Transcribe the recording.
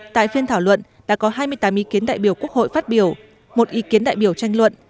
tại phiên thảo luận đã có hai mươi tám ý kiến đại biểu quốc hội phát biểu một ý kiến đại biểu tranh luận